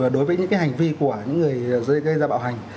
đối với những hành vi của những người gây ra bạo hành